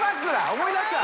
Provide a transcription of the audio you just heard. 思い出した。